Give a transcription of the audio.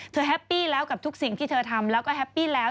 แฮปปี้แล้วกับทุกสิ่งที่เธอทำแล้วก็แฮปปี้แล้ว